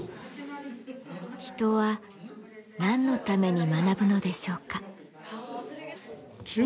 人はなんのために学ぶのでしょうか？